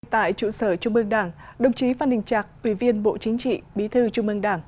tại trụ sở trung ương đảng đồng chí phan đình trạc ủy viên bộ chính trị bí thư trung mương đảng